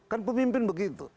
kan pemimpin begitu